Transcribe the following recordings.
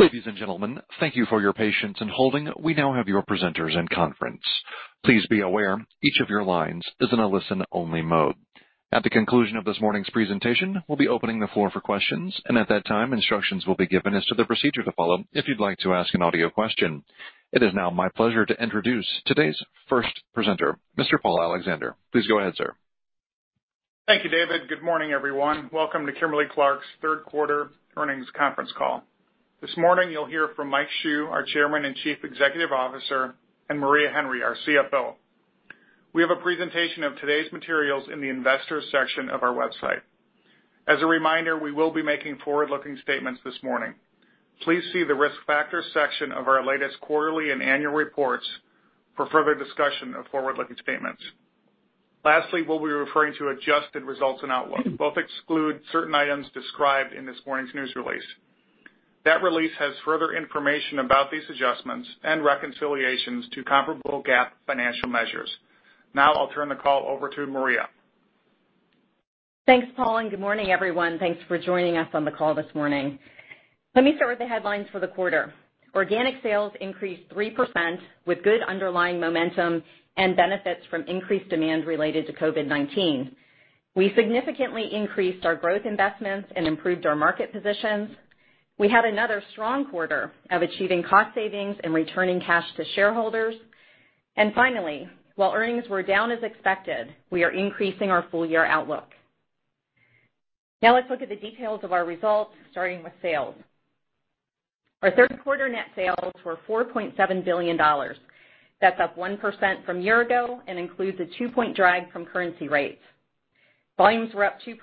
Ladies and gentlemen, thank you for your patience in holding. We now have your presenters in conference. Please be aware, each of your lines is in a listen-only mode. At the conclusion of this morning's presentation, we'll be opening the floor for questions, and at that time, instructions will be given as to the procedure to follow if you'd like to ask an audio question. It is now my pleasure to introduce today's first presenter, Mr. Paul Alexander. Please go ahead, sir. Thank you, David. Good morning, everyone. Welcome to Kimberly-Clark's third quarter earnings conference call. This morning, you'll hear from Mike Hsu, our Chairman and Chief Executive Officer, and Maria Henry, our CFO. We have a presentation of today's materials in the investors section of our website. As a reminder, we will be making forward-looking statements this morning. Please see the Risk Factors section of our latest quarterly and annual reports for further discussion of forward-looking statements. Lastly, we'll be referring to adjusted results and outlook. Both exclude certain items described in this morning's news release. That release has further information about these adjustments and reconciliations to comparable GAAP financial measures. Now I'll turn the call over to Maria. Thanks, Paul. Good morning, everyone. Thanks for joining us on the call this morning. Let me start with the headlines for the quarter. Organic sales increased 3% with good underlying momentum and benefits from increased demand related to COVID-19. We significantly increased our growth investments and improved our market positions. We had another strong quarter of achieving cost savings and returning cash to shareholders. Finally, while earnings were down as expected, we are increasing our full-year outlook. Now let's look at the details of our results, starting with sales. Our third quarter net sales were $4.7 billion. That's up 1% from year ago and includes a two-point drag from currency rates. Volumes were up 2%,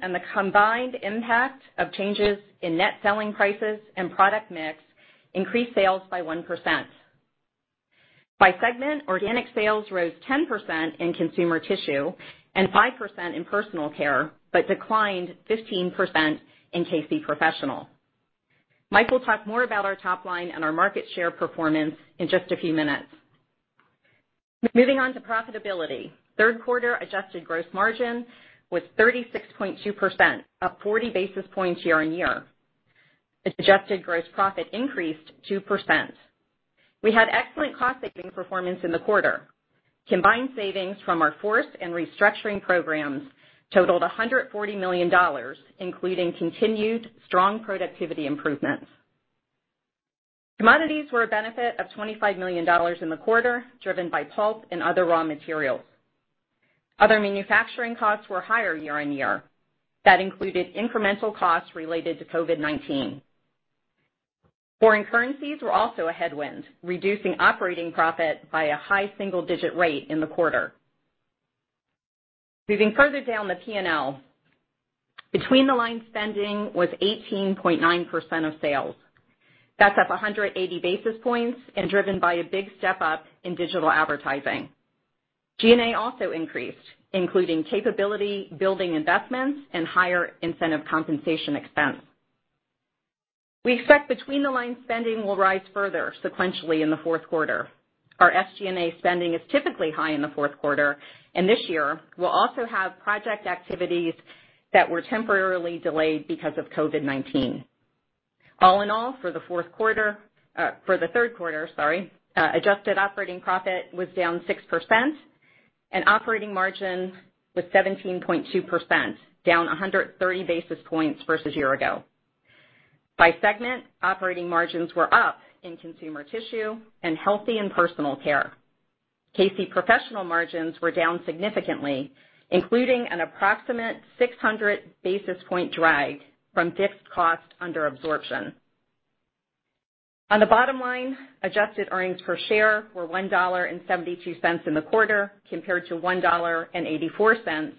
and the combined impact of changes in net selling prices and product mix increased sales by 1%. By segment, organic sales rose 10% in Consumer Tissue and 5% in Personal Care, but declined 15% in K-C Professional. Mike will talk more about our top line and our market share performance in just a few minutes. Moving on to profitability. Third quarter adjusted gross margin was 36.2%, up 40 basis points year-on-year. Adjusted gross profit increased 2%. We had excellent cost-saving performance in the quarter. Combined savings from our FORCE and restructuring programs totaled $140 million, including continued strong productivity improvements. Commodities were a benefit of $25 million in the quarter, driven by pulp and other raw materials. Other manufacturing costs were higher year-on-year. That included incremental costs related to COVID-19. Foreign currencies were also a headwind, reducing operating profit by a high single-digit rate in the quarter. Moving further down the P&L, between-the-line spending was 18.9% of sales. That's up 180 basis points and driven by a big step-up in digital advertising. G&A also increased, including capability, building investments, and higher incentive compensation expense. We expect between-the-line spending will rise further sequentially in the fourth quarter. Our SG&A spending is typically high in the fourth quarter, and this year we'll also have project activities that were temporarily delayed because of COVID-19. All in all, for the third quarter, adjusted operating profit was down 6%, and operating margin was 17.2%, down 130 basis points versus year ago. By segment, operating margins were up in Consumer Tissue and Healthy and Personal Care. K-C Professional margins were down significantly, including an approximate 600 basis point drag from fixed cost under absorption. On the bottom line, adjusted earnings per share were $1.72 in the quarter, compared to $1.84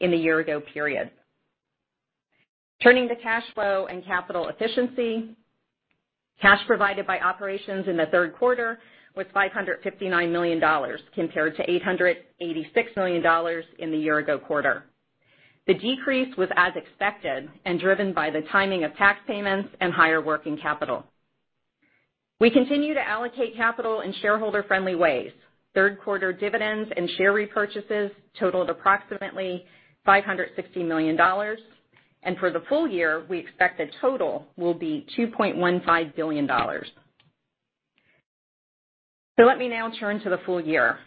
in the year-ago period. Turning to cash flow and capital efficiency, cash provided by operations in the third quarter was $559 million, compared to $886 million in the year-ago quarter. The decrease was as expected and driven by the timing of tax payments and higher working capital. We continue to allocate capital in shareholder-friendly ways. Third quarter dividends and share repurchases totaled approximately $560 million. For the full year, we expect the total will be $2.15 billion. Let me now turn to the full year.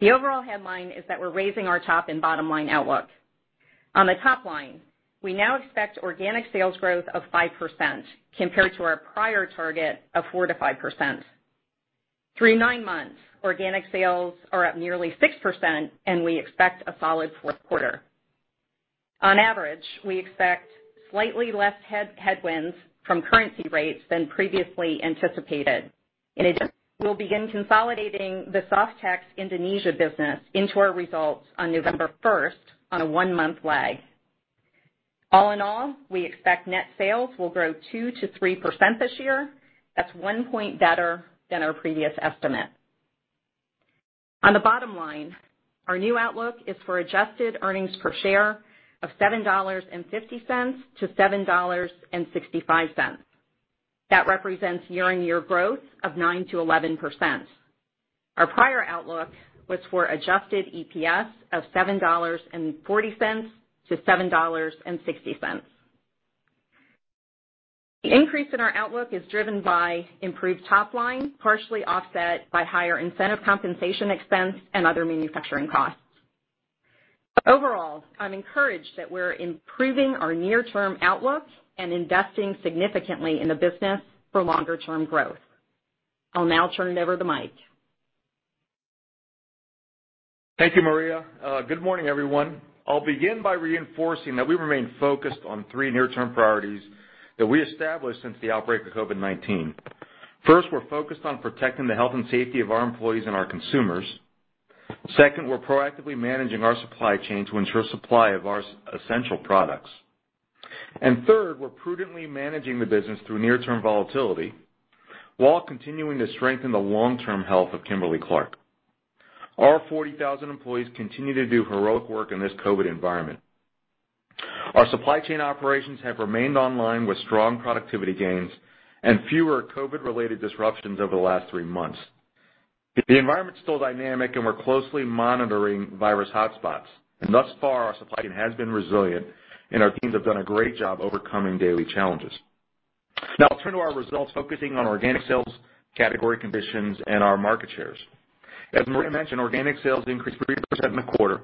The overall headline is that we're raising our top and bottom line outlook. On the top line, we now expect organic sales growth of 5% compared to our prior target of 4%-5%. Through nine months, organic sales are up nearly 6%, and we expect a solid fourth quarter. On average, we expect slightly less headwinds from currency rates than previously anticipated. We'll begin consolidating the Softex Indonesia business into our results on November 1st on a one-month lag. We expect net sales will grow 2%-3% this year. That's one point better than our previous estimate. On the bottom line, our new outlook is for adjusted earnings per share of $7.50-$7.65. That represents year-on-year growth of 9%-11%. Our prior outlook was for Adjusted EPS of $7.40-$7.60. The increase in our outlook is driven by improved top line, partially offset by higher incentive compensation expense and other manufacturing costs. Overall, I'm encouraged that we're improving our near-term outlook and investing significantly in the business for longer-term growth. I'll now turn it over to Mike. Thank you, Maria. Good morning, everyone. I'll begin by reinforcing that we remain focused on three near-term priorities that we established since the outbreak of COVID-19. First, we're focused on protecting the health and safety of our employees and our consumers. Second, we're proactively managing our supply chain to ensure supply of our essential products. Third, we're prudently managing the business through near-term volatility while continuing to strengthen the long-term health of Kimberly-Clark. Our 40,000 employees continue to do heroic work in this COVID environment. Our supply chain operations have remained online with strong productivity gains and fewer COVID-related disruptions over the last three months. The environment's still dynamic and we're closely monitoring virus hotspots, and thus far, our supply chain has been resilient, and our teams have done a great job overcoming daily challenges. Now I'll turn to our results, focusing on organic sales, category conditions, and our market shares. As Maria mentioned, organic sales increased 3% in the quarter.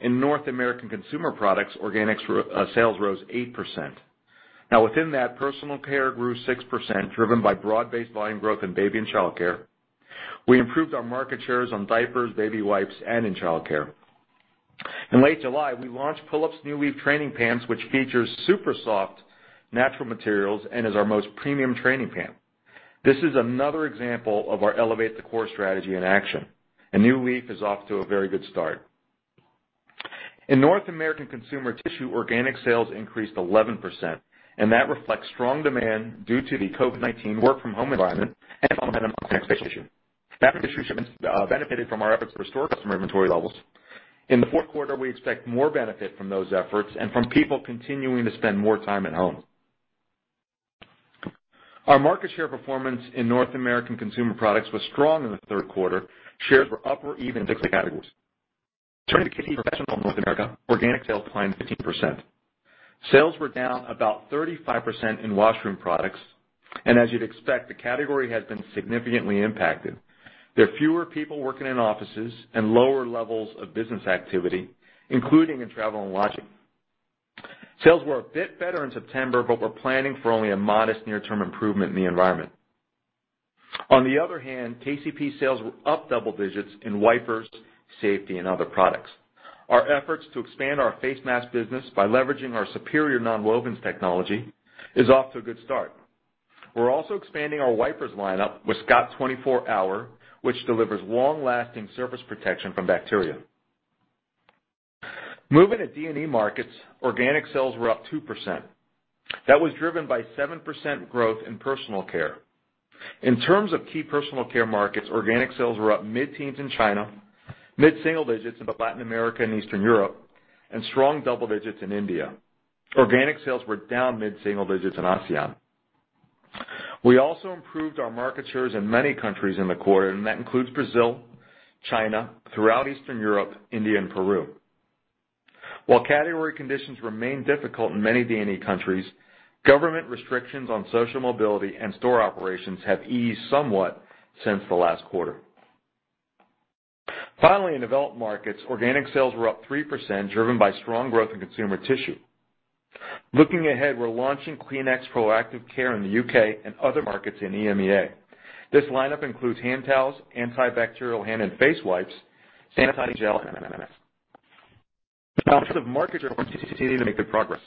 In North American consumer products, organic sales rose 8%. Now, within that, Personal Care grew 6%, driven by broad-based volume growth in baby and childcare. We improved our market shares on diapers, baby wipes, and in childcare. In late July, we launched Pull-Ups New Leaf training pants, which features super soft natural materials and is our most premium training pant. This is another example of our Elevate the Core strategy in action, New Leaf is off to a very good start. In North American Consumer Tissue, organic sales increased 11%, that reflects strong demand due to the COVID-19 work from home environment and momentum on Kleenex tissue. Fabric and tissue shipments benefited from our efforts to restore customer inventory levels. In the fourth quarter, we expect more benefit from those efforts and from people continuing to spend more time at home. Our market share performance in North American consumer products was strong in the third quarter. Shares were up or even in 60 categories. Turning to K-C Professional North America, organic sales declined 15%. Sales were down about 35% in washroom products. As you'd expect, the category has been significantly impacted. There are fewer people working in offices and lower levels of business activity, including in travel and lodging. Sales were a bit better in September, but we're planning for only a modest near-term improvement in the environment. On the other hand, KCP sales were up double digits in wipers, safety, and other products. Our efforts to expand our face mask business by leveraging our superior nonwovens technology is off to a good start. We're also expanding our wipers lineup with Scott 24HR, which delivers long-lasting surface protection from bacteria. Moving to D&E markets, organic sales were up 2%. That was driven by 7% growth in Personal Care. In terms of key Personal Care markets, organic sales were up mid-teens in China, mid-single digits in Latin America and Eastern Europe, and strong double digits in India. Organic sales were down mid-single digits in ASEAN. We also improved our market shares in many countries in the quarter, and that includes Brazil, China, throughout Eastern Europe, India, and Peru. While category conditions remain difficult in many D&E countries, government restrictions on social mobility and store operations have eased somewhat since the last quarter. Finally, in developed markets, organic sales were up 3%, driven by strong growth in Consumer Tissue. Looking ahead, we're launching Kleenex Proactive Care in the U.K. and other markets in EMEA. This lineup includes hand towels, antibacterial hand and face wipes, sanitizing gel. Now, in terms of market share, we're continuing to make good progress.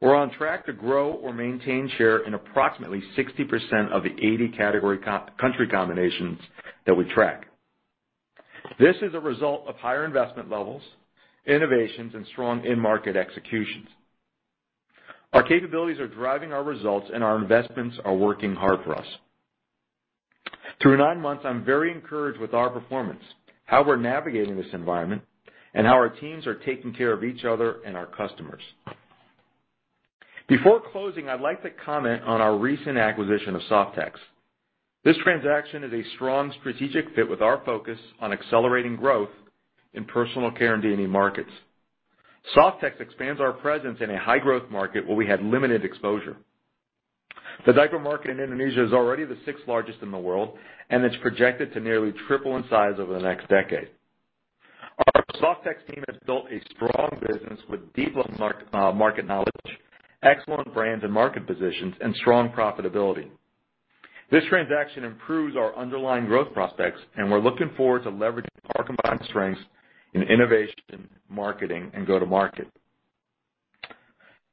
We're on track to grow or maintain share in approximately 60% of the 80 category country combinations that we track. This is a result of higher investment levels, innovations, and strong in-market executions. Our capabilities are driving our results, and our investments are working hard for us. Through nine months, I'm very encouraged with our performance, how we're navigating this environment, and how our teams are taking care of each other and our customers. Before closing, I'd like to comment on our recent acquisition of Softex. This transaction is a strong strategic fit with our focus on accelerating growth in Personal Care and D&E markets. Softex expands our presence in a high-growth market where we had limited exposure. The diaper market in Indonesia is already the sixth largest in the world, and it's projected to nearly triple in size over the next decade. Our Softex team has built a strong business with deep local market knowledge, excellent brands and market positions, and strong profitability. This transaction improves our underlying growth prospects, and we're looking forward to leveraging our combined strengths in innovation, marketing, and go-to-market.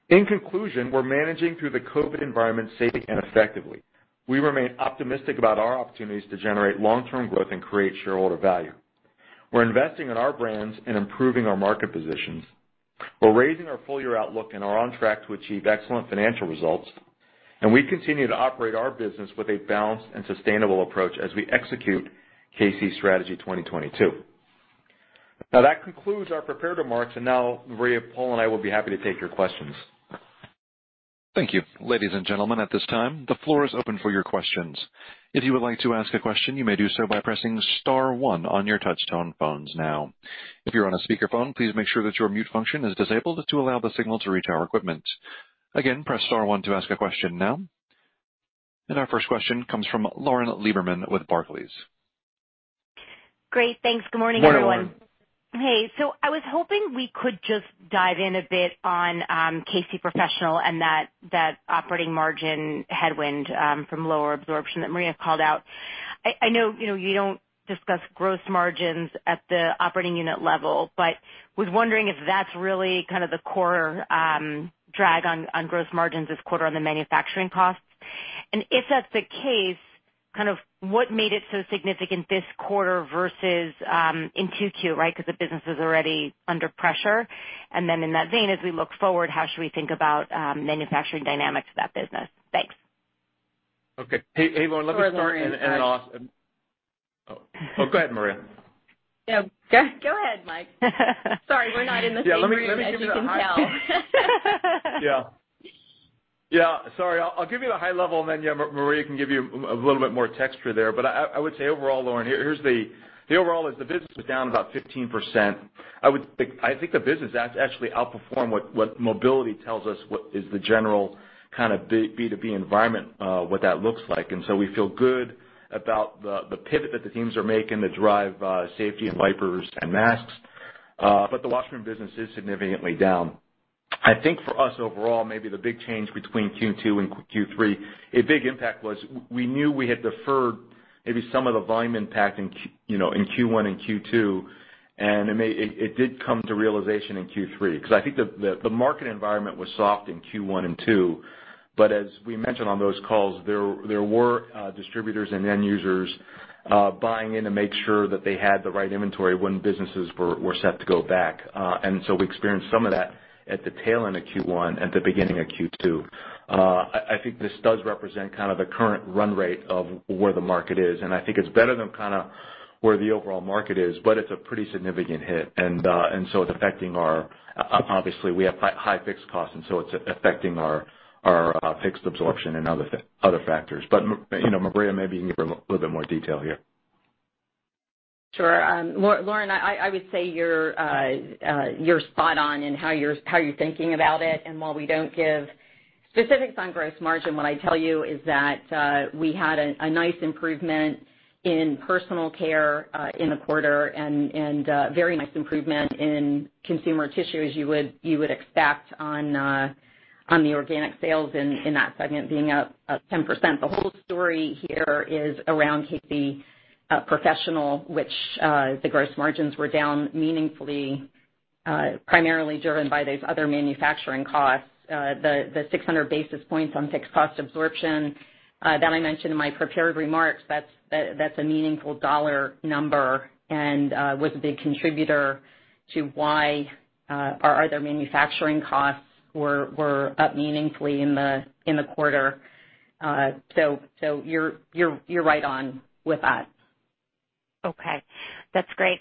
In conclusion, we're managing through the COVID-19 environment safely and effectively. We remain optimistic about our opportunities to generate long-term growth and create shareholder value. We're investing in our brands and improving our market positions. We're raising our full-year outlook and are on track to achieve excellent financial results, and we continue to operate our business with a balanced and sustainable approach as we execute K-C Strategy 2022. That concludes our prepared remarks, and now Maria, Paul, and I will be happy to take your questions. Our first question comes from Lauren Lieberman with Barclays. Great. Thanks. Good morning, everyone. Good morning. Hey. I was hoping we could just dive in a bit on K-C Professional and that operating margin headwind from lower absorption that Maria called out. I know you don't discuss gross margins at the operating unit level, was wondering if that's really kind of the core drag on gross margins this quarter on the manufacturing costs. If that's the case, kind of what made it so significant this quarter versus in Q2, right? The business is already under pressure. In that vein, as we look forward, how should we think about manufacturing dynamics of that business? Thanks. Okay. Hey, Lauren, let me start and then ask Oh, go ahead, Maria. Yeah, go ahead, Mike. Sorry we're not in the same room. Yeah, let me give you the high-. As you can tell. Sorry. I'll give you the high level and then, yeah, Maria can give you a little bit more texture there. I would say overall, Lauren, the overall is the business was down about 15%. I think the business actually outperformed what mobility tells us what is the general kind of B2B environment, what that looks like. We feel good about the pivot that the teams are making to drive safety in wipers and masks. The washroom business is significantly down. I think for us, overall, maybe the big change between Q2 and Q3, a big impact was we knew we had deferred maybe some of the volume impact in Q1 and Q2, and it did come to realization in Q3. I think the market environment was soft in Q1 and Q2, but as we mentioned on those calls, there were distributors and end users buying in to make sure that they had the right inventory when businesses were set to go back. We experienced some of that at the tail end of Q1 and the beginning of Q2. I think this does represent kind of the current run rate of where the market is, and I think it's better than kind of where the overall market is, but it's a pretty significant hit. It's affecting obviously, we have high fixed costs, and so it's affecting our fixed absorption and other factors. Maria, maybe you can give a little bit more detail here. Sure. Lauren, I would say you're spot on in how you're thinking about it. While we don't give specifics on gross margin, what I tell you is that we had a nice improvement in Personal Care in the quarter and very nice improvement in Consumer Tissue you would expect on the organic sales in that segment being up 10%. The whole story here is around K-C Professional, which the gross margins were down meaningfully, primarily driven by those other manufacturing costs, the 600 basis points on fixed cost absorption that I mentioned in my prepared remarks, that's a meaningful dollar number and was a big contributor to why our other manufacturing costs were up meaningfully in the quarter. So you're right on with that. Okay, that's great.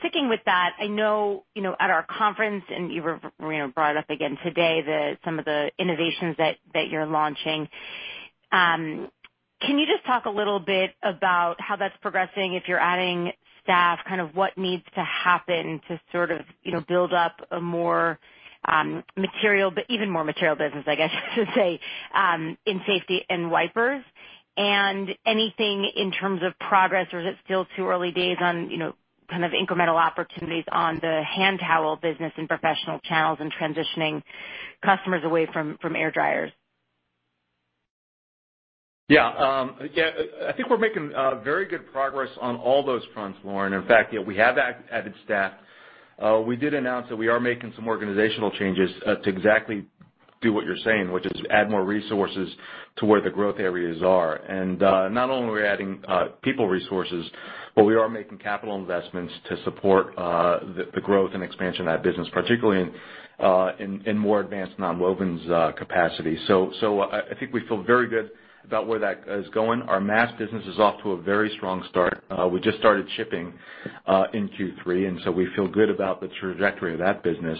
Sticking with that, I know at our conference, and you brought up again today some of the innovations that you're launching. Can you just talk a little bit about how that's progressing, if you're adding staff, kind of what needs to happen to sort of build up a more material, but even more material business, I guess I should say, in safety and wipers and anything in terms of progress or is it still too early days on kind of incremental opportunities on the hand towel business and professional channels and transitioning customers away from air dryers? Yeah. I think we're making very good progress on all those fronts, Lauren. In fact, we have added staff. We did announce that we are making some organizational changes to exactly do what you're saying, which is add more resources to where the growth areas are. Not only are we adding people resources, but we are making capital investments to support the growth and expansion of that business, particularly in more advanced nonwovens capacity. I think we feel very good about where that is going. Our masks business is off to a very strong start. We just started shipping in Q3, and so we feel good about the trajectory of that business.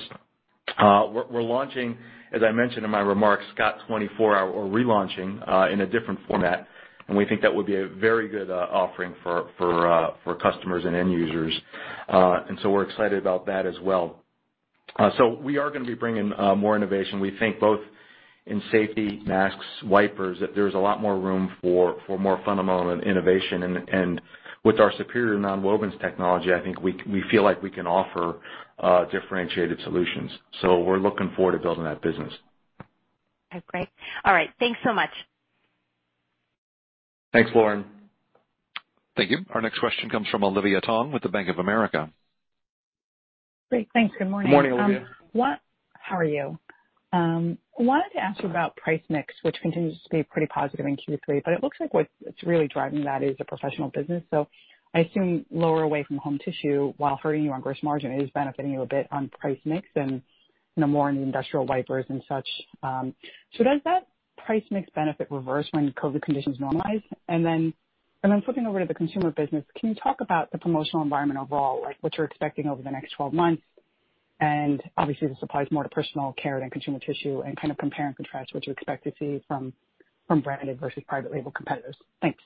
We're launching, as I mentioned in my remarks, Scott 24-Hour. We're relaunching in a different format, and we think that would be a very good offering for customers and end users. We're excited about that as well. We are going to be bringing more innovation, we think both in safety, masks, wipers, that there's a lot more room for more fundamental innovation. With our superior nonwovens technology, I think we feel like we can offer differentiated solutions. We're looking forward to building that business. Okay, great. All right. Thanks so much. Thanks, Lauren. Thank you. Our next question comes from Olivia Tong with the Bank of America. Great. Thanks. Good morning. Morning, Olivia. How are you? I wanted to ask you about price mix, which continues to be pretty positive in Q3, but it looks like what's really driving that is the K-C Professional business. I assume lower away from home tissue, while hurting you on gross margin, is benefiting you a bit on price mix and more on the industrial wipers and such. Does that Price mix benefit reverse when COVID-19 conditions normalize? Then flipping over to the consumer business, can you talk about the promotional environment overall, like what you're expecting over the next 12 months? Obviously, this applies more to Personal Care than Consumer Tissue, and kind of compare and contrast what you expect to see from branded versus private label competitors. Thanks.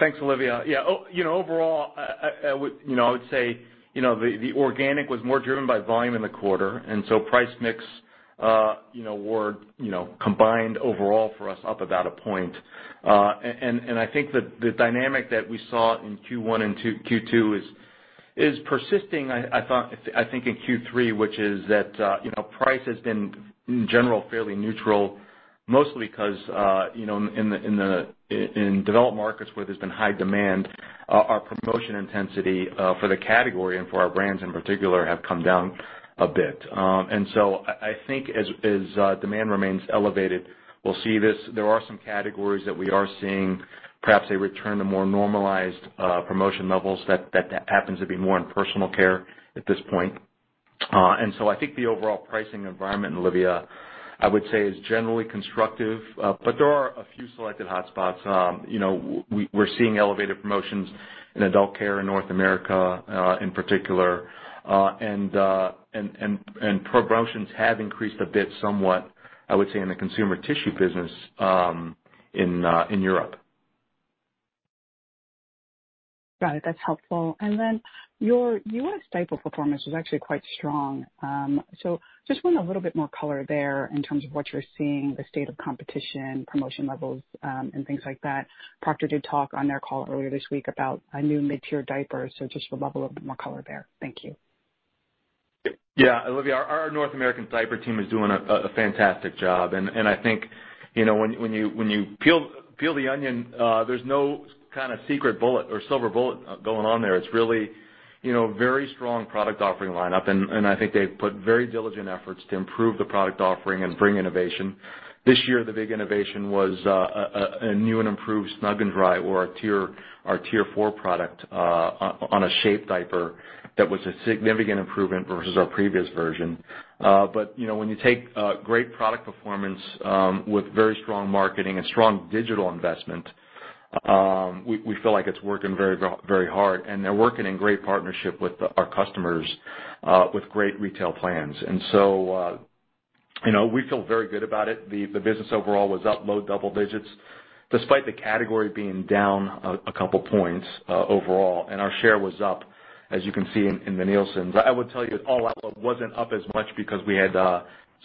Thanks, Olivia. Overall, I would say the organic was more driven by volume in the quarter, price mix were combined overall for us up about a point. I think the dynamic that we saw in Q1 and Q2 is persisting, I think in Q3, which is that price has been, in general, fairly neutral, mostly because, in developed markets where there's been high demand, our promotion intensity for the category and for our brands in particular have come down a bit. I think as demand remains elevated, we'll see this. There are some categories that we are seeing perhaps a return to more normalized promotion levels, that happens to be more in Personal Care at this point. I think the overall pricing environment, Olivia, I would say, is generally constructive. There are a few selected hotspots. We're seeing elevated promotions in adult care in North America, in particular. Promotions have increased a bit somewhat, I would say, in the Consumer Tissue business in Europe. Got it. That's helpful. Your U.S. diaper performance was actually quite strong. Just want a little bit more color there in terms of what you're seeing, the state of competition, promotion levels, and things like that. Procter did talk on their call earlier this week about a new mid-tier diaper, just would love a little bit more color there. Thank you. Yeah. Olivia, our North American diaper team is doing a fantastic job. I think, when you peel the onion, there's no kind of secret bullet or silver bullet going on there. It's really very strong product offering lineup, and I think they've put very diligent efforts to improve the product offering and bring innovation. This year, the big innovation was a new and improved Snug & Dry or our Tier 4 product on a shape diaper that was a significant improvement versus our previous version. When you take great product performance with very strong marketing and strong digital investment, we feel like it's working very hard, and they're working in great partnership with our customers, with great retail plans. We feel very good about it. The business overall was up low double digits, despite the category being down a couple points overall, and our share was up, as you can see in the Nielsen. I would tell you all outlet wasn't up as much because we had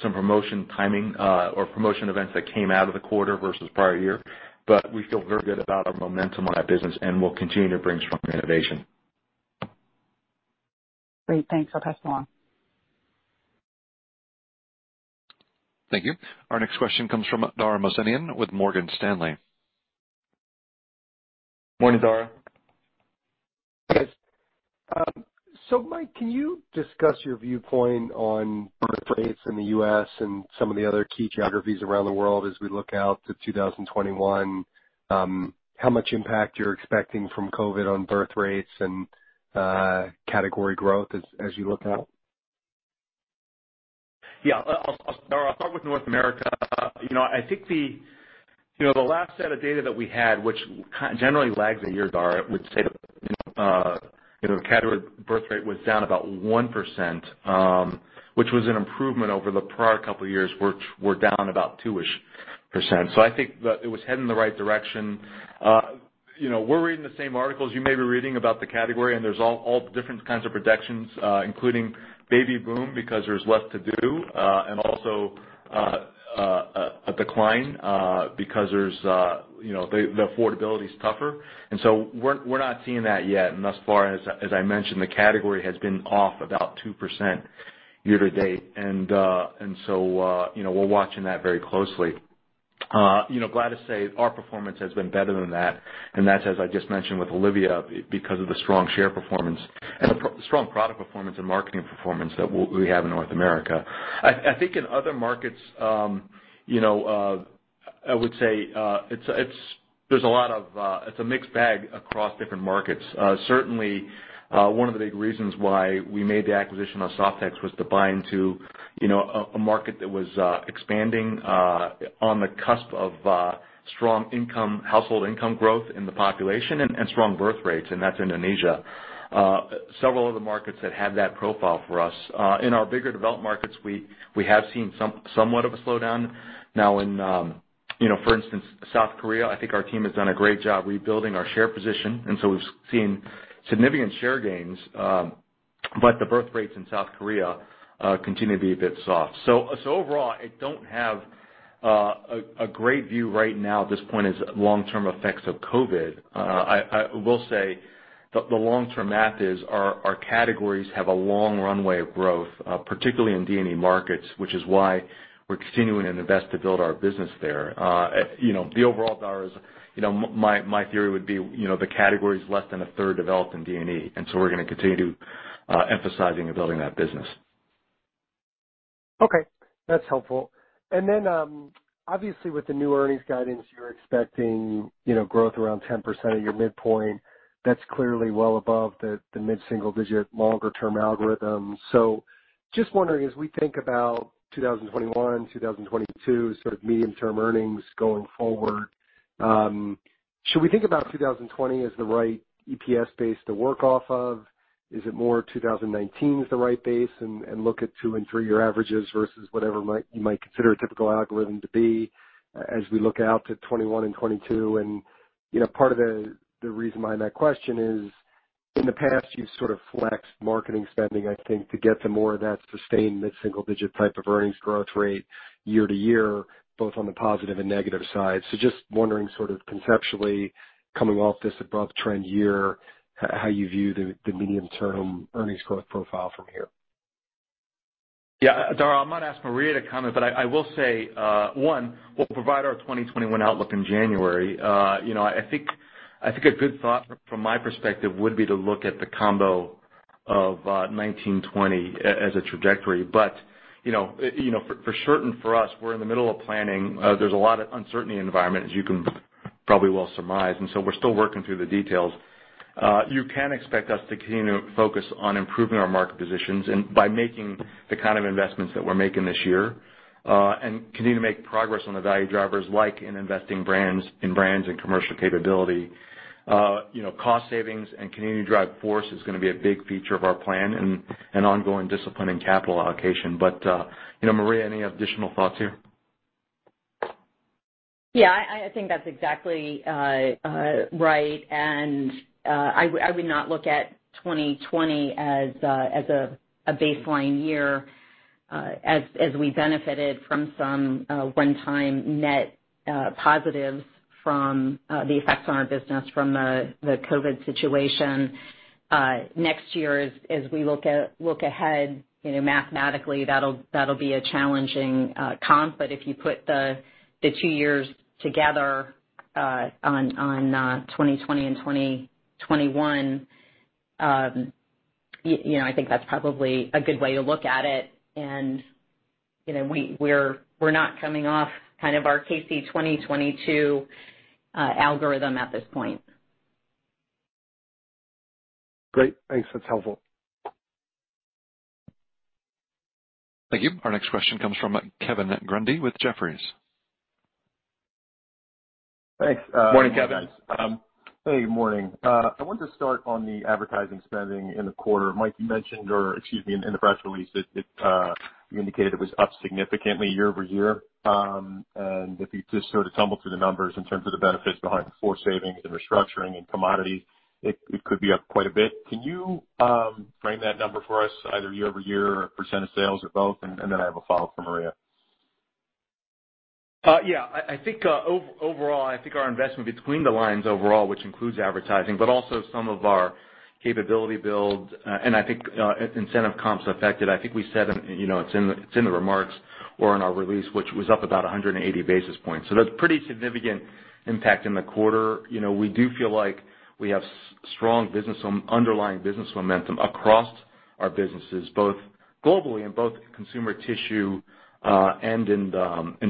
some promotion timing or promotion events that came out of the quarter versus prior year. We feel very good about our momentum on that business and we'll continue to bring strong innovation. Great. Thanks. I'll pass along. Thank you. Our next question comes from Dara Mohsenian with Morgan Stanley. Morning, Dara. Yes. Mike, can you discuss your viewpoint on birthrates in the U.S. and some of the other key geographies around the world as we look out to 2021, how much impact you're expecting from COVID on birthrates and category growth as you look out? Yeah. Dara, I'll start with North America. I think the last set of data that we had, which kind of generally lags a year, Dara, I would say, the category birthrate was down about 1%, which was an improvement over the prior couple of years, which were down about 2-ish%. I think that it was heading in the right direction. We're reading the same articles you may be reading about the category, and there's all different kinds of projections, including baby boom because there's less to do, and also a decline, because the affordability is tougher. We're not seeing that yet. Thus far, as I mentioned, the category has been off about 2% year-to-date. We're watching that very closely. Glad to say our performance has been better than that's as I just mentioned with Olivia, because of the strong share performance and the strong product performance and marketing performance that we have in North America. I think in other markets, I would say, it's a mixed bag across different markets. Certainly, one of the big reasons why we made the acquisition of Softex was to buy into a market that was expanding on the cusp of strong household income growth in the population and strong birthrates, that's Indonesia. Several of the markets that had that profile for us. In our bigger developed markets, we have seen somewhat of a slowdown. Now in, for instance, South Korea, I think our team has done a great job rebuilding our share position, so we've seen significant share gains. The birthrates in South Korea continue to be a bit soft. Overall, Dara, is my theory would be the category is less than a third developed in D&E, we're gonna continue to emphasizing and building that business. Okay. That's helpful. Obviously, with the new earnings guidance, you're expecting growth around 10% of your midpoint. That's clearly well above the mid-single digit longer term algorithm. Just wondering, as we think about 2021, 2022 sort of medium term earnings going forward, should we think about 2020 as the right EPS base to work off of? Is it more 2019 is the right base and look at two and three-year averages versus whatever you might consider a typical algorithm to be as we look out to 2021 and 2022? Part of the reason behind that question is, in the past, you've sort of flexed marketing spending, I think, to get to more of that sustained mid-single digit type of earnings growth rate year to year, both on the positive and negative side. Just wondering sort of conceptually, coming off this above trend year, how you view the medium term earnings growth profile from here. Dara, I might ask Maria to comment. I will say, one, we'll provide our 2021 outlook in January. I think a good thought from my perspective would be to look at the combo of 2019-2020 as a trajectory. For certain for us, we're in the middle of planning. There's a lot of uncertainty in the environment, as you can probably well surmise. We're still working through the details. You can expect us to continue to focus on improving our market positions and by making the kind of investments that we're making this year, and continue to make progress on the value drivers like in investing in brands and commercial capability. Cost savings and continuing to drive FORCE is going to be a big feature of our plan and ongoing discipline and capital allocation. Maria, any additional thoughts here? Yeah, I think that's exactly right. I would not look at 2020 as a baseline year, as we benefited from some one-time net positives from the effects on our business from the COVID-19 situation. Next year, as we look ahead, mathematically, that'll be a challenging comparison. If you put the two years together, on 2020 and 2021, I think that's probably a good way to look at it. We're not coming off kind of our K-C Strategy 2022 algorithm at this point. Great. Thanks. That's helpful. Thank you. Our next question comes from Kevin Grundy with Jefferies. Morning, Kevin. Hey, morning. I wanted to start on the advertising spending in the quarter. Mike, you mentioned, or excuse me, in the press release, you indicated it was up significantly year-over-year. If you just sort of tumble through the numbers in terms of the benefits behind the FORCE savings and restructuring and commodity, it could be up quite a bit. Can you frame that number for us, either year-over-year or % of sales or both? Then I have a follow-up for Maria. I think overall, our investment between the lines overall, which includes advertising, but also some of our capability build, and I think incentive comps affected. We said, it's in the remarks or in our release, which was up about 180 basis points. That's pretty significant impact in the quarter. We do feel like we have strong underlying business momentum across our businesses, both globally and both Consumer Tissue, and in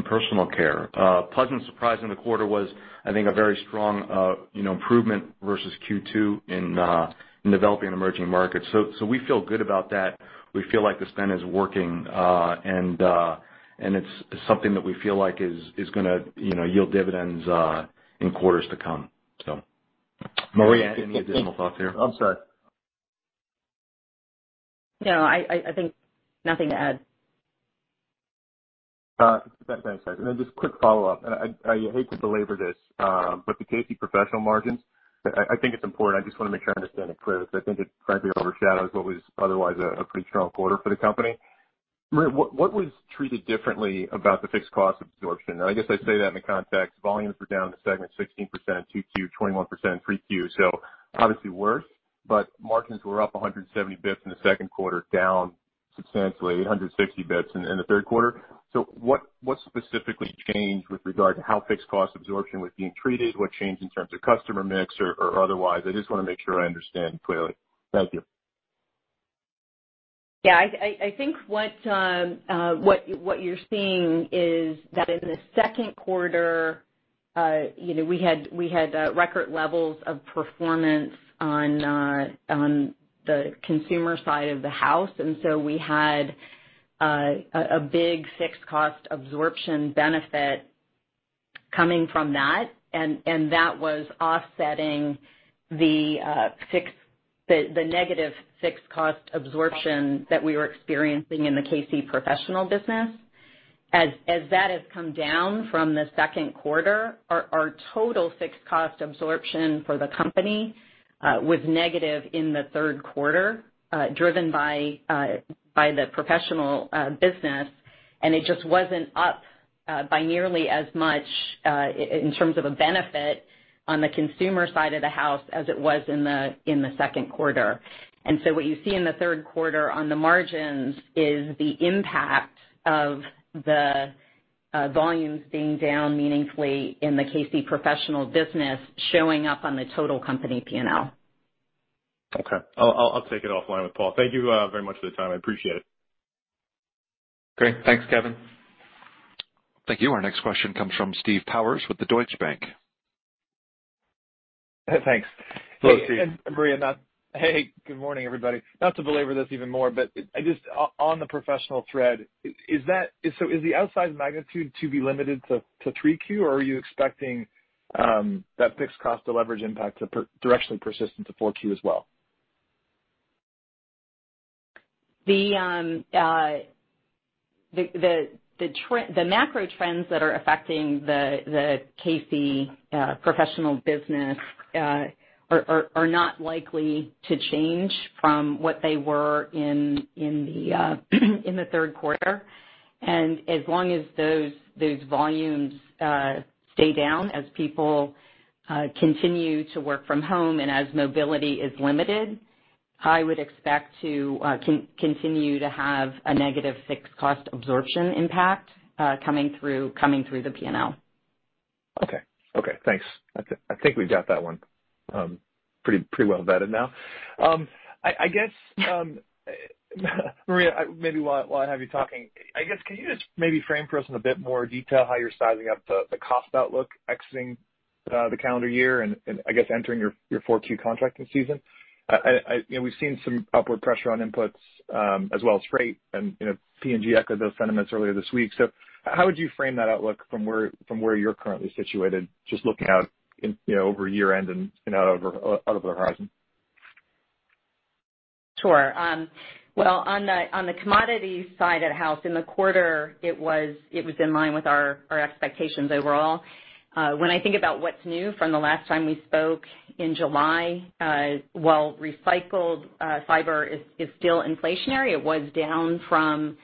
Personal Care. A pleasant surprise in the quarter was a very strong improvement versus Q2 in developing emerging markets. We feel good about that. We feel like the spend is working, and it's something that we feel like is going to yield dividends in quarters to come. Maria, any additional thoughts here? I'm sorry. No, I think nothing to add. Thanks, guys. Just quick follow-up. I hate to belabor this, the K-C Professional margins, I think it's important. I just want to make sure I understand it clearly, because I think it frankly overshadows what was otherwise a pretty strong quarter for the company. Maria, what was treated differently about the fixed cost absorption? I guess I say that in the context, volumes were down in the segment 16% in 2Q, 21% in 3Q, so obviously worse, margins were up 170 basis points in the second quarter, down substantially, 160 basis points in the third quarter. What specifically changed with regard to how fixed cost absorption was being treated? What changed in terms of customer mix or otherwise? I just want to make sure I understand clearly. Thank you. I think what you're seeing is that in the second quarter, we had record levels of performance on the consumer side of the house. We had a big fixed cost absorption benefit coming from that, and that was offsetting the negative fixed cost absorption that we were experiencing in the K-C Professional business. As that has come down from the second quarter, our total fixed cost absorption for the company was negative in the third quarter, driven by the professional business. It just wasn't up by nearly as much in terms of a benefit on the consumer side of the house as it was in the second quarter. What you see in the third quarter on the margins is the impact of the volumes being down meaningfully in the K-C Professional business showing up on the total company P&L. Okay. I'll take it offline with Paul. Thank you very much for the time. I appreciate it. Great. Thanks, Kevin. Thank you. Our next question comes from Steve Powers with the Deutsche Bank. Thanks. Hello, Steve. Maria, good morning, everybody. Not to belabor this even more, but just on the professional thread, is the outsize magnitude to be limited to 3Q, or are you expecting that fixed cost to leverage impact to directionally persist into 4Q as well? The macro trends that are affecting the K-C Professional business, are not likely to change from what they were in the third quarter. As long as those volumes stay down, as people continue to work from home, and as mobility is limited, I would expect to continue to have a negative fixed cost absorption impact, coming through the P&L. Okay. Thanks. I think we've got that one pretty well vetted now. Maria, maybe while I have you talking, I guess, can you just maybe frame for us in a bit more detail how you're sizing up the cost outlook exiting the calendar year and, I guess, entering your four Q contracting season? We've seen some upward pressure on inputs, as well as freight and P&G echoed those sentiments earlier this week. How would you frame that outlook from where you're currently situated, just looking out over year-end and out over the horizon? Sure. Well, on the commodities side of the house in the quarter, it was in line with our expectations overall. When I think about what's new from the last time we spoke in July, while recycled fiber is still inflationary, it was down from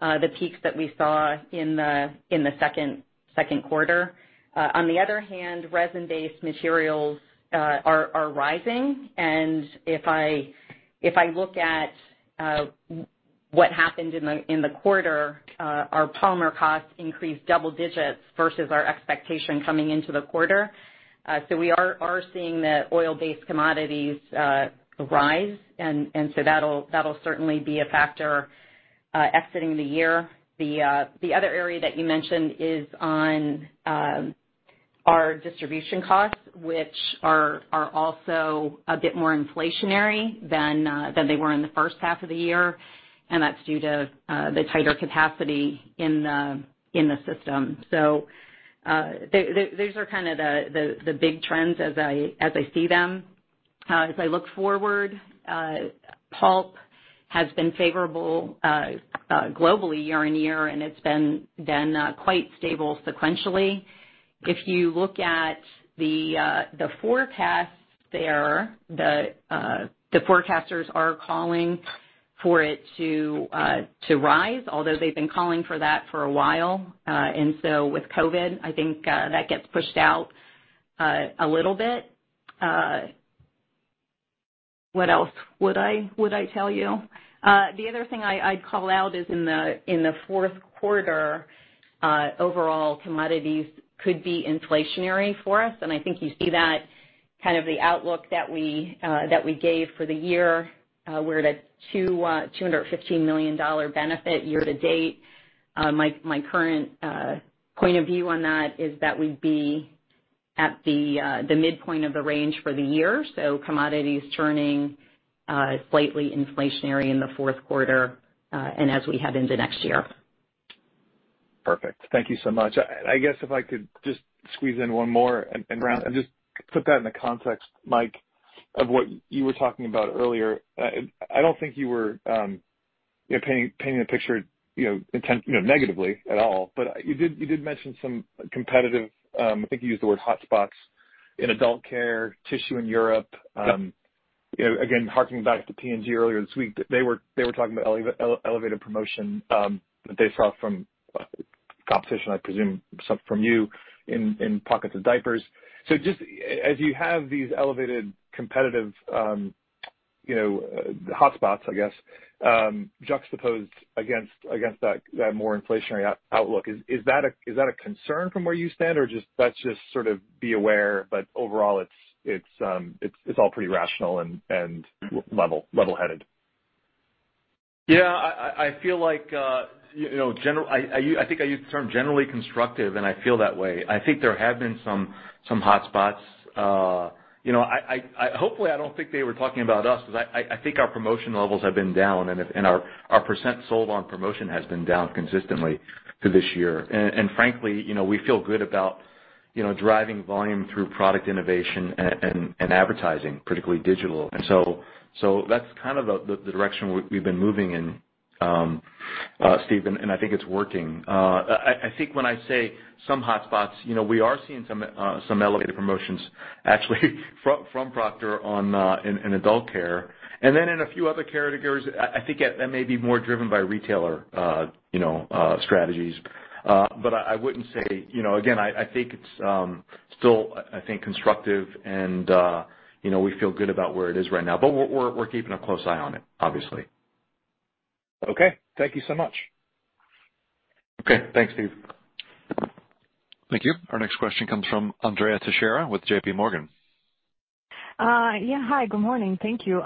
the peaks that we saw in the second quarter. On the other hand, resin-based materials are rising, and if I look at what happened in the quarter, our polymer costs increased double digits versus our expectation coming into the quarter. We are seeing the oil-based commodities rise, and so that'll certainly be a factor exiting the year. The other area that you mentioned is on our distribution costs, which are also a bit more inflationary than they were in the first half of the year, and that's due to the tighter capacity in the system. Those are kind of the big trends as I see them. As I look forward, pulp has been favorable globally year-on-year, and it's been quite stable sequentially. If you look at the forecasts there, the forecasters are calling for it to rise, although they've been calling for that for a while. With COVID, I think that gets pushed out a little bit. What else would I tell you? The other thing I'd call out is in the fourth quarter, overall commodities could be inflationary for us, and I think you see that kind of the outlook that we gave for the year. We're at a $215 million benefit year-to-date. My current point of view on that is that we'd be at the midpoint of the range for the year. Commodities turning slightly inflationary in the fourth quarter, and as we head into next year. Perfect. Thank you so much. I guess if I could just squeeze in one more and just put that in the context, Mike, of what you were talking about earlier. I don't think you were painting a picture negatively at all, but you did mention some competitive, I think you used the word hotspots in adult care, tissue in Europe. Yeah. Again, harking back to P&G earlier this week, they were talking about elevated promotion, that they saw from competition, I presume some from you in pockets of diapers. Just as you have these elevated competitive hotspots, I guess, juxtaposed against that more inflationary outlook, is that a concern from where you stand? Or that's just sort of be aware, but overall it's all pretty rational and level-headed. Yeah, I feel like, I think I used the term generally constructive, and I feel that way. I think there have been some hotspots. Hopefully, I don't think they were talking about us because I think our promotion levels have been down and our percent sold on promotion has been down consistently through this year. Frankly, we feel good about driving volume through product innovation and advertising, particularly digital. That's kind of the direction we've been moving in, Steve, and I think it's working. I think when I say some hotspots, we are seeing some elevated promotions actually from Procter in adult care and then in a few other categories. I think that may be more driven by retailer strategies. I wouldn't say Again, I think it's still constructive and we feel good about where it is right now. We're keeping a close eye on it, obviously. Okay. Thank you so much. Okay. Thanks, Steve Thank you. Our next question comes from Andrea Teixeira with JPMorgan. Yeah, hi, good morning. Thank you.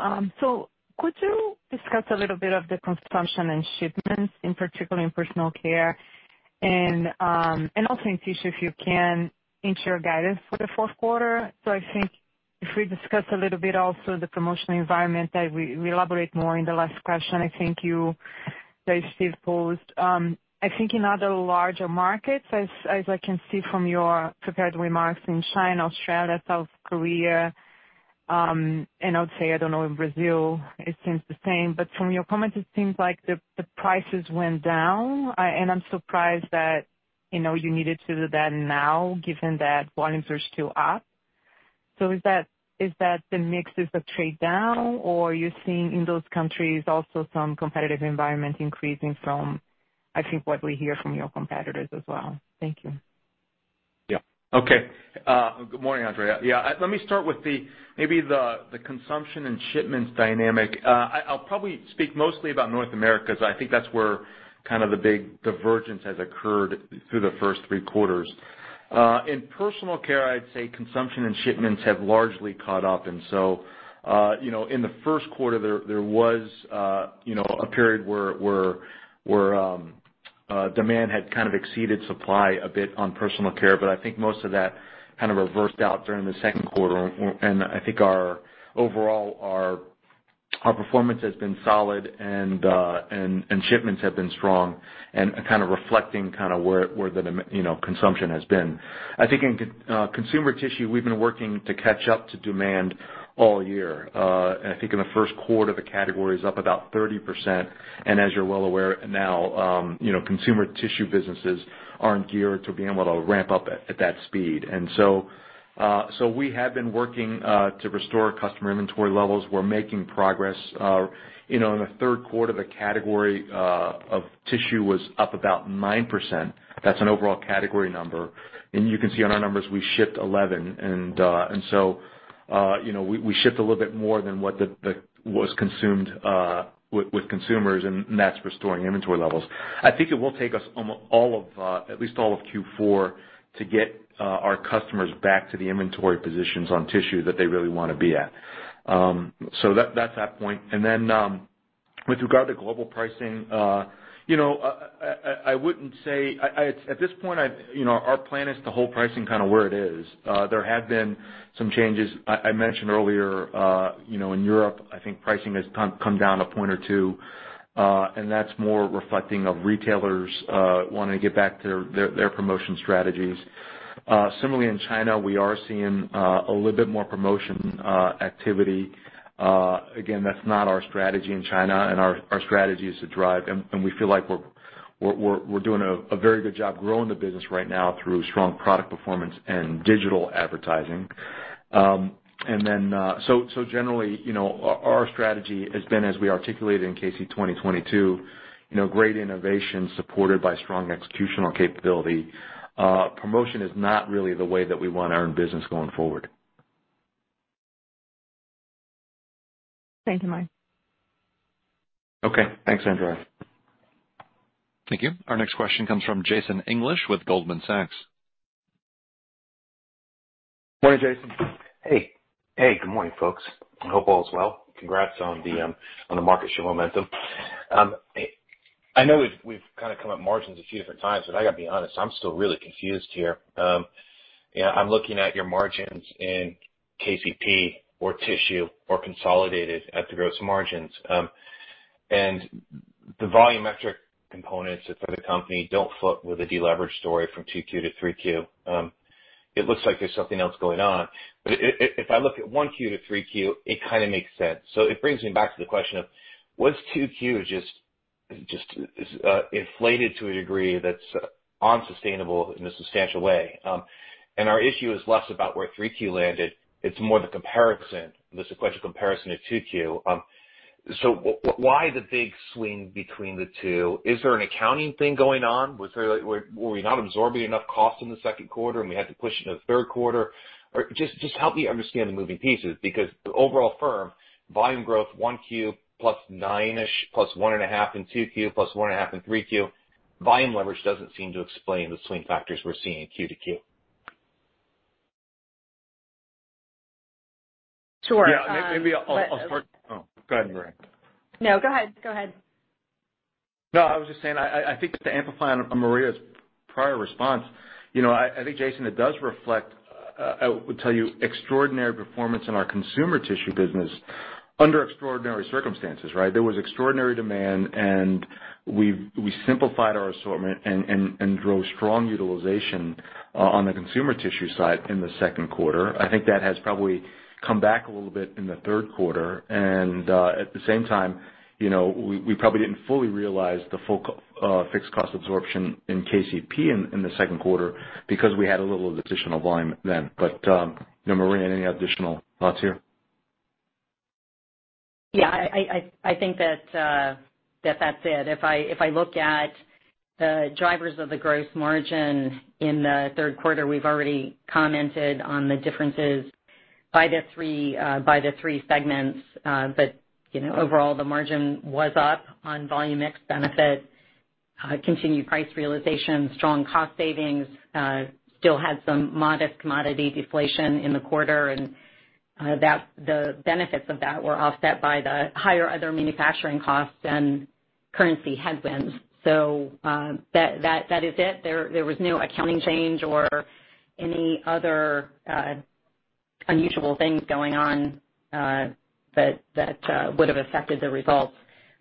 Could you discuss a little bit of the consumption and shipments, in particular in Personal Care and also in Consumer Tissue, if you can, into your guidance for the fourth quarter? I think if we discuss a little bit also the promotional environment that we elaborate more in the last question, I think you guys still posed. I think in other larger markets, as I can see from your prepared remarks in China, Australia, South Korea, and I would say, I don't know, in Brazil it seems the same, but from your comments, it seems like the prices went down, and I'm surprised that you needed to do that now given that volumes are still up. Is that the mixes of trade down or are you seeing in those countries also some competitive environment increasing from, I think, what we hear from your competitors as well? Thank you. Yeah. Okay. Good morning, Andrea. Let me start with maybe the consumption and shipments dynamic. I'll probably speak mostly about North America, because I think that's where the big divergence has occurred through the first three quarters. In Personal Care, I'd say consumption and shipments have largely caught up. In the first quarter, there was a period where demand had kind of exceeded supply a bit on Personal Care. I think most of that kind of reversed out during the second quarter. I think overall, our performance has been solid and shipments have been strong and kind of reflecting where the consumption has been. I think in Consumer Tissue, we've been working to catch up to demand all year. I think in the first quarter, the category is up about 30%. As you're well aware now, Consumer Tissue businesses aren't geared to being able to ramp up at that speed. So we have been working to restore customer inventory levels. We're making progress. In the third quarter, the category of tissue was up about 9%. That's an overall category number. You can see on our numbers, we shipped 11. So we shipped a little bit more than what was consumed with consumers, and that's restoring inventory levels. I think it will take us at least all of Q4 to get our customers back to the inventory positions on tissue that they really want to be at. That's that point. Then with regard to global pricing, at this point, our plan is to hold pricing kind of where it is. There have been some changes. I mentioned earlier, in Europe, I think pricing has come down a point or two, and that's more reflecting of retailers wanting to get back to their promotion strategies. Similarly, in China, we are seeing a little bit more promotion activity. That's not our strategy in China, and our strategy is to drive, and we feel like we're doing a very good job growing the business right now through strong product performance and digital advertising. Generally, our strategy has been, as we articulated in K-C 2022, great innovation supported by strong executional capability. Promotion is not really the way that we want to earn business going forward. Thank you, Mike. Okay, thanks, Andrea. Thank you. Our next question comes from Jason English with Goldman Sachs. Morning, Jason. Hey. Good morning, folks. I hope all is well. Congrats on the market share momentum. I know we've kind of come at margins a few different times, but I got to be honest, I'm still really confused here. I'm looking at your margins in KCP or Consumer Tissue or consolidated at the gross margins. The volumetric components for the company don't flip with a deleverage story from Q2-Q3. It looks like there's something else going on. If I look at Q1-Q3, it kind of makes sense. It brings me back to the question of, was Q2 just inflated to a degree that's unsustainable in a substantial way? Our issue is less about where Q3 landed. It's more the sequential comparison to Q2. Why the big swing between the two? Is there an accounting thing going on? Were we not absorbing enough cost in the second quarter and we had to push it into the third quarter? Just help me understand the moving pieces, because the overall firm volume growth, 1Q, +9-ish, +1.5% in Q2, +1.5% in Q3, volume leverage doesn't seem to explain the swing factors we're seeing Q-Q. Sure. Yeah, maybe I'll start. Oh, go ahead, Maria. No, go ahead. No, I was just saying, I think to amplify on Maria's prior response, I think, Jason, it does reflect, I would tell you, extraordinary performance in our Consumer Tissue business under extraordinary circumstances, right? We simplified our assortment and drove strong utilization on the Consumer Tissue side in the second quarter. I think that has probably come back a little bit in the third quarter. At the same time, we probably didn't fully realize the full fixed cost absorption in KCP in the second quarter because we had a little additional volume then. Maria, any additional thoughts here? Yeah, I think that that's it. If I look at the drivers of the gross margin in the third quarter, we've already commented on the differences by the three segments. Overall, the margin was up on volume mix benefit, continued price realization, strong cost savings. Still had some modest commodity deflation in the quarter, and the benefits of that were offset by the higher other manufacturing costs and currency headwinds. That is it. There was no accounting change or any other unusual things going on that would have affected the results.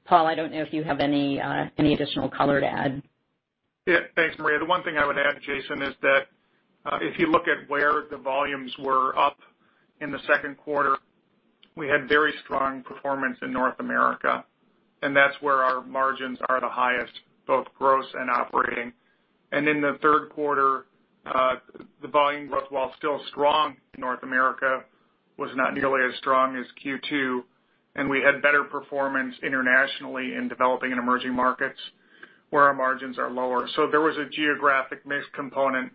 Paul, I don't know if you have any additional color to add. Thanks, Maria. The one thing I would add, Jason, is that if you look at where the volumes were up in the second quarter, we had very strong performance in North America, and that's where our margins are the highest, both gross and operating. In the third quarter, the volume growth, while still strong in North America, was not nearly as strong as Q2, and we had better performance internationally in developing and emerging markets where our margins are lower. There was a geographic mix component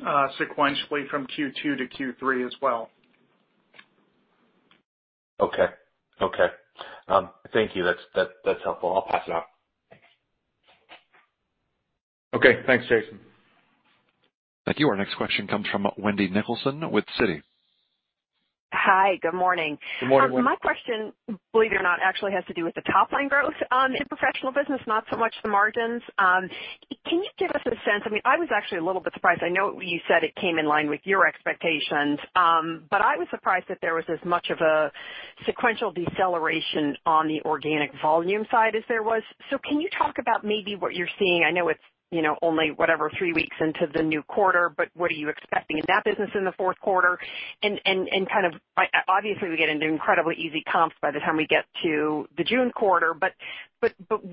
sequentially from Q2-Q3 as well. Okay. Thank you, that's helpful. I'll pass it off. Okay. Thanks, Jason. Thank you. Our next question comes from Wendy Nicholson with Citi. Hi, good morning. Good morning, Wendy. My question, believe it or not, actually has to do with the top-line growth in K-C Professional, not so much the margins. I was actually a little bit surprised. I know you said it came in line with your expectations, but I was surprised that there was as much of a sequential deceleration on the organic volume side as there was. Can you talk about maybe what you're seeing? I know it's only, whatever, three weeks into the new quarter, but what are you expecting in that business in the fourth quarter? Obviously, we get into incredibly easy comps by the time we get to the June quarter, but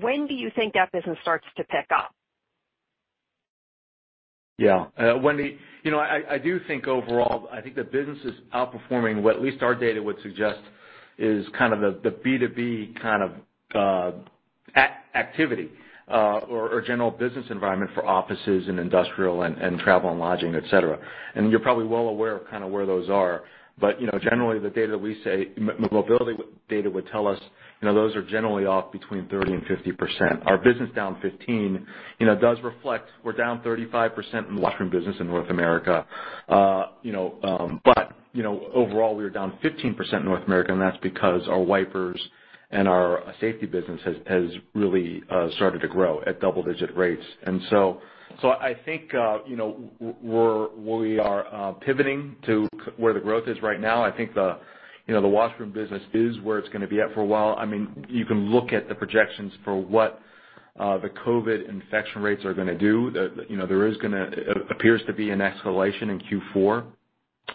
when do you think that business starts to pick up? Wendy, I do think overall, I think the business is outperforming what at least our data would suggest is kind of the B2B kind of activity or general business environment for offices and industrial and travel and lodging, et cetera. You're probably well aware of kind of where those are. Generally, mobility data would tell us those are generally off between 30% and 50%. Our business down 15% does reflect we're down 35% in the washroom business in North America. Overall, we are down 15% in North America, and that's because our wipers and our safety business has really started to grow at double-digit rates. I think we are pivoting to where the growth is right now. I think the washroom business is where it's going to be at for a while. You can look at the projections for what the COVID infection rates are going to do. There appears to be an escalation in Q4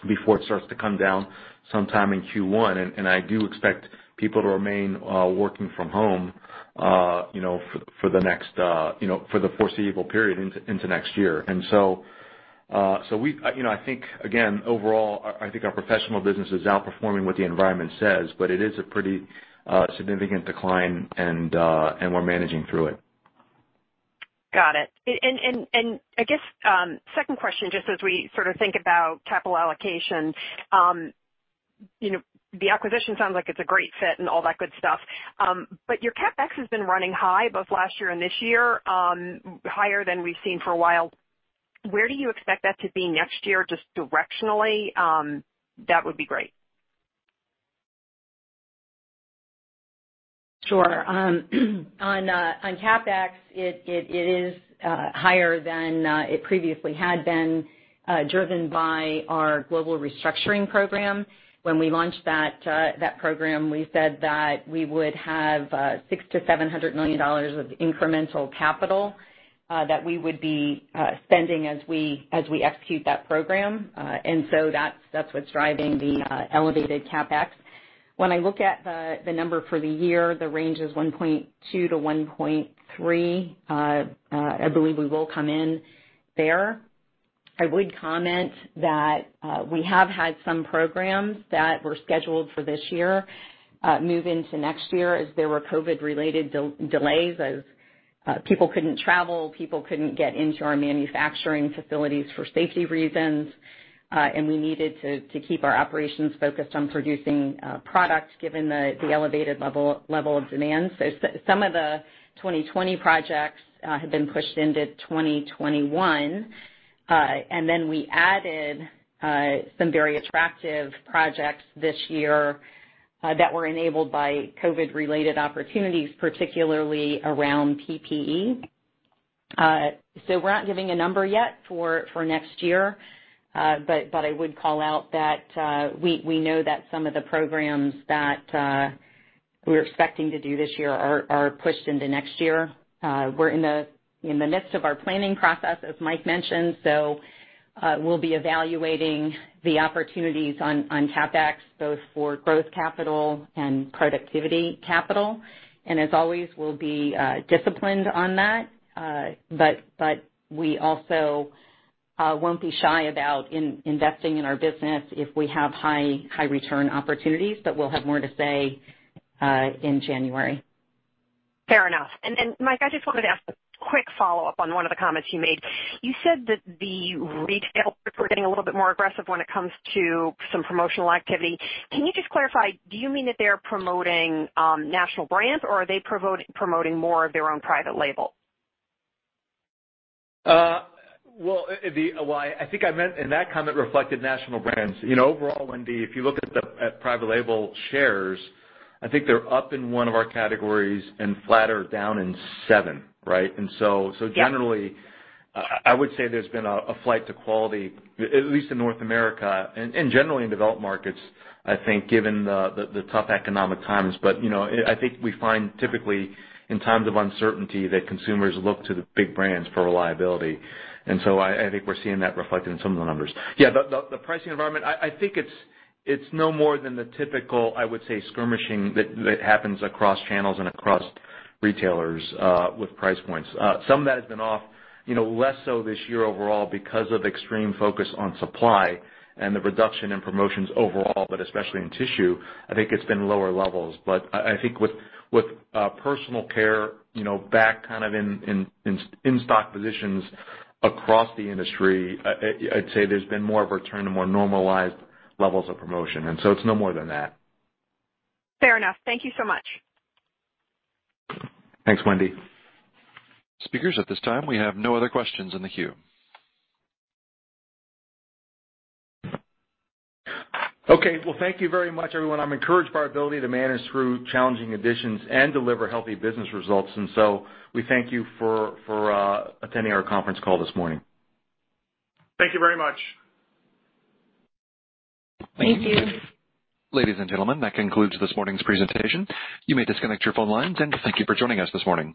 before it starts to come down sometime in Q1. I do expect people to remain working from home for the foreseeable period into next year. I think, again, overall, I think our professional business is outperforming what the environment says, but it is a pretty significant decline, and we're managing through it. Got it. I guess, second question, just as we sort of think about capital allocation. The acquisition sounds like it's a great fit and all that good stuff. Your CapEx has been running high both last year and this year, higher than we've seen for a while. Where do you expect that to be next year, just directionally? That would be great. Sure. On CapEx, it is higher than it previously had been, driven by our global restructuring program. When we launched that program, we said that we would have $600 million-$700 million of incremental capital that we would be spending as we execute that program. That's what's driving the elevated CapEx. When I look at the number for the year, the range is $1.2-$1.3. I believe we will come in there. I would comment that we have had some programs that were scheduled for this year move into next year as there were COVID-related delays as people couldn't travel, people couldn't get into our manufacturing facilities for safety reasons, and we needed to keep our operations focused on producing product, given the elevated level of demand. Some of the 2020 projects have been pushed into 2021. We added some very attractive projects this year that were enabled by COVID-related opportunities, particularly around PPE. I would call out that we know that some of the programs that we were expecting to do this year are pushed into next year. We're in the midst of our planning process, as Mike mentioned. We'll be evaluating the opportunities on CapEx, both for growth capital and productivity capital. As always, we'll be disciplined on that. We also won't be shy about investing in our business if we have high return opportunities, but we'll have more to say in January. Fair enough. Mike, I just wanted to ask a quick follow-up on one of the comments you made. You said that the retailers were getting a little bit more aggressive when it comes to some promotional activity. Can you just clarify, do you mean that they're promoting national brands, or are they promoting more of their own private label? Well, I think I meant in that comment reflected national brands. Overall, Wendy, if you look at private label shares, I think they're up in one of our categories and flat or down in seven, right? Yeah. Generally, I would say there's been a flight to quality, at least in North America and generally in developed markets, I think, given the tough economic times. I think we find typically in times of uncertainty that consumers look to the big brands for reliability. I think we're seeing that reflected in some of the numbers. Yeah. The pricing environment, I think it's no more than the typical, I would say, skirmishing that happens across channels and across retailers with price points. Some of that has been off less so this year overall because of extreme focus on supply and the reduction in promotions overall, especially in tissue, I think it's been lower levels. I think with Personal Care back kind of in stock positions across the industry, I'd say there's been more of a return to more normalized levels of promotion, and so it's no more than that. Fair enough. Thank you so much. Thanks, Wendy. Speakers, at this time, we have no other questions in the queue. Okay. Well, thank you very much, everyone. I'm encouraged by our ability to manage through challenging conditions and deliver healthy business results. We thank you for attending our conference call this morning. Thank you very much. Thank you. Ladies and gentlemen, that concludes this morning's presentation. You may disconnect your phone lines, and thank you for joining us this morning.